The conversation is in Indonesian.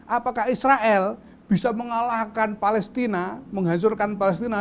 apakah israel bisa mengalahkan palestina menghancurkan palestina